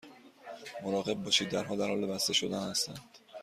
مراقب باشید، درها در حال بسته شدن هستند.